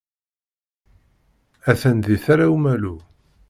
Atan di Tala Umalu.